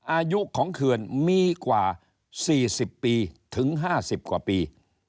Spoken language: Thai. อายุของเขื่อนมีกว่า๔๐ปีถึง๕๐กว่าปี